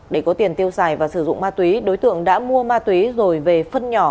để có tiền tiêu xài và sử dụng ma túy đối tượng đã mua ma túy rồi về phân nhỏ